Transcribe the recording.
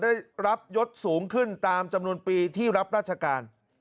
ได้รับยศสูงขึ้นตามจำนวนปีที่รับราชการ